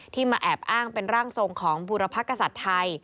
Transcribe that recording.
มาแอบอ้างเป็นร่างทรงของบุรพกษัตริย์ไทย